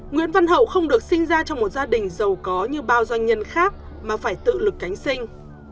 nguyễn văn hậu không được sinh ra trong một gia đình giàu có như bao doanh nhân khác mà phải tự lực cánh sinh